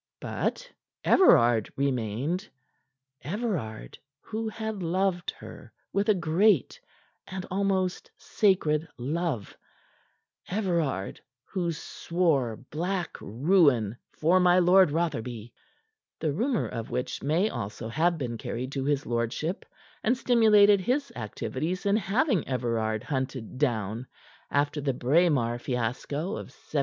But Everard remained Everard, who had loved her with a great and almost sacred love; Everard, who swore black ruin for my Lord Rotherby the rumor of which may also have been carried to his lordship and stimulated his activities in having Everard hunted down after the Braemar fiasco of 1715.